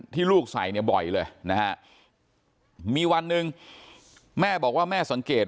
ลูกใส่เนี่ยบ่อยเลยนะฮะมีวันหนึ่งแม่บอกว่าแม่สังเกต